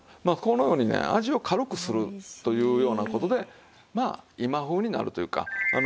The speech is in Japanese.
まあこのようにね味を軽くするというような事でまあ今風になるというか。